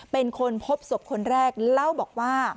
เป็นคนพบศพคนแรกเล่าบอกว่า